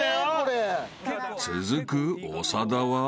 ［続く長田は］